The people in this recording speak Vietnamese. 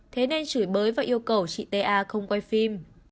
thế nên chửi bới và yêu cầu chị t a không quay phim